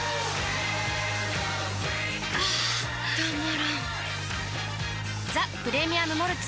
あたまらんっ「ザ・プレミアム・モルツ」